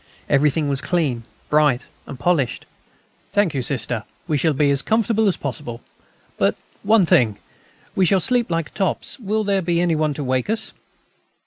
Everything was clean, bright, and polished. "Thank you, Sister; we shall be as comfortable as possible. But, one thing, we shall sleep like tops. Will there be any one to wake us?"